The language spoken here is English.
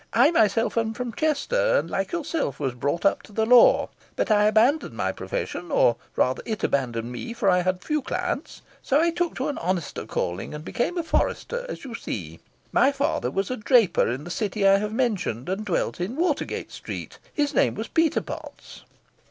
"I myself am from Chester, and like yourself was brought up to the law, but I abandoned my profession, or rather it abandoned me, for I had few clients; so I took to an honester calling, and became a forester, as you see. My father was a draper in the city I have mentioned, and dwelt in Watergate street his name was Peter Potts."